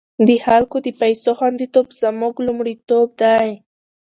د خلکو د پيسو خوندیتوب زموږ لومړیتوب دی۔